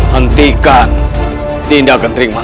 hentikan tindakan ringman